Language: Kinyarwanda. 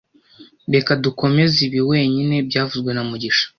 Reka dukomeze ibi wenyine byavuzwe na mugisha